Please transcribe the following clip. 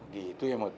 gitu ya mut